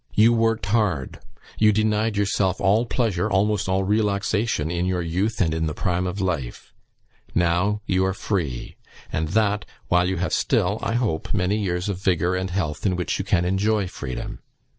You worked hard; you denied yourself all pleasure, almost all relaxation, in your youth, and in the prime of life; now you are free, and that while you have still, I hope, many years of vigour and health in which you can enjoy freedom.